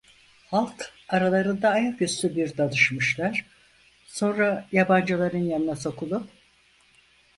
Halk, aralarında ayaküstü bir danışmışlar, sonra yabancıların yanına sokulup: